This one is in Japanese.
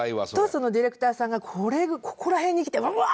そのディレクターさんがここら辺に来て「ワーッ！」